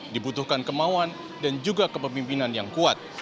dibutuhkan kemauan dan juga kepemimpinan yang kuat